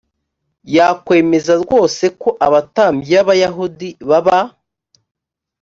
yakwemeza rwose ko abatambyi b abayahudi baba